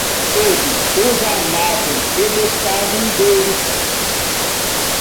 Todos os amavam e gostavam deles.